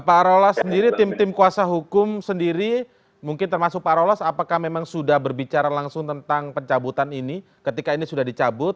pak arolas sendiri tim tim kuasa hukum sendiri mungkin termasuk pak arolas apakah memang sudah berbicara langsung tentang pencabutan ini ketika ini sudah dicabut